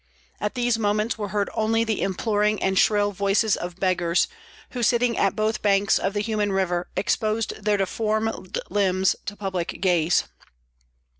At these moments were heard only the imploring and shrill voices of beggars, who sitting at both banks of the human river exposed their deformed limbs to public gaze.